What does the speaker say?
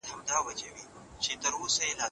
د دولت مسؤلیت د کیفیت یقیني کول دی.